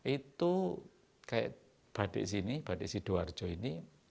itu kayak badik sini batik sidoarjo ini